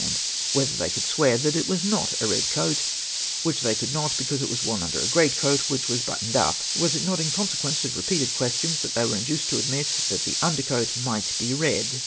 And whether they could swear that it was not a red coat ? which they could not, because it was worn under a great coat, which was buttoned up. Was it not in consequence of repeated questions that they were induced to admit that the under coat might be red?